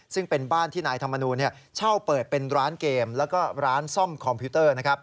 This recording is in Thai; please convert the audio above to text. ซึ่งเป็นบ้านที่นายธรรมนูลเช่าเปิดเป็นร้านเกมแล้วก็ร้านซ่อมคอมพิวเตอร์